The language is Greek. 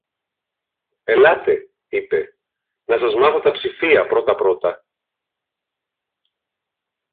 Ελάτε, είπε, να σας μάθω τα ψηφία πρώτα-πρώτα.